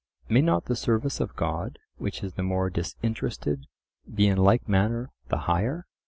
May not the service of God, which is the more disinterested, be in like manner the higher?